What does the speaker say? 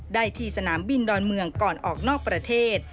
ได้ที่สนามบินดอนเมืองก่อนออกนอกประเทศ